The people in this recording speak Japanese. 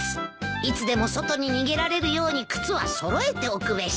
いつでも外に逃げられるように靴は揃えておくべし。